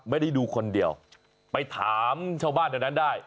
ไม่ได้ดูคนเดียวไปถามชาวบ้านในนั้นได้